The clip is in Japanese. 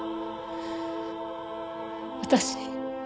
私